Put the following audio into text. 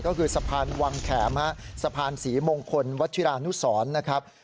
ก็คือสะพานวังแขมฮะสะพานศรีมงคลวัชิรานุสรนะครับ